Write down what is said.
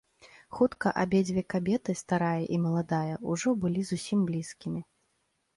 Хутка абедзве кабеты, старая і маладая, ужо былі зусім блізкімі.